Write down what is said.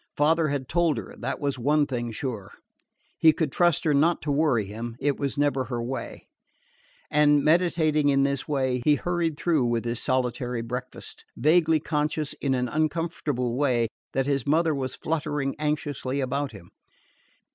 Father had told her; that was one thing sure. He could trust her not to worry him; it was never her way. And, meditating in this way, he hurried through with his solitary breakfast, vaguely conscious in an uncomfortable way that his mother was fluttering anxiously about him.